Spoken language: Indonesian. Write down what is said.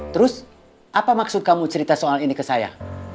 terus apa maksud kamu cerita soal ini ke saya